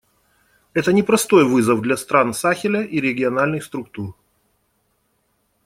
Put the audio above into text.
Это непростой вызов для стран Сахеля и региональных структур.